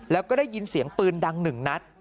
แล้วก็ได้ยินเสียงปืนดังหนึ่งนัด